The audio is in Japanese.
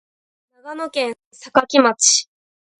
長野県坂城町